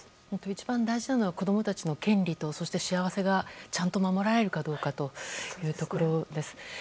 一番大事なのは子供たちの権利とそして幸せがちゃんと守られるかどうかというところです。